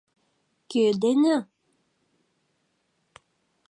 — Кӧ дене?